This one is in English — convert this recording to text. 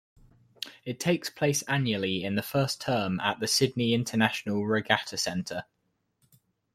It takes place annually in the first term at the Sydney International Regatta Centre.